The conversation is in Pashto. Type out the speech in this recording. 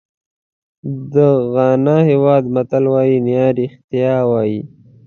د غانا هېواد متل وایي نیا رښتیا وایي.